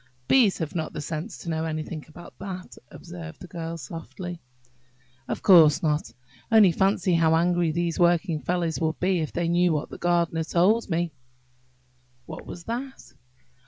"Bees have not the sense to know anything about that," observed the little Girl, softly. "Of course not! Only fancy how angry these working fellows would be, if they knew what the gardener told me!" "What was that?"